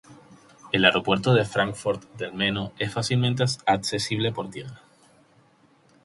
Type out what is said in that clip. El Aeropuerto de Fráncfort del Meno es fácilmente accesible por tierra.